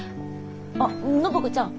あっ暢子ちゃん。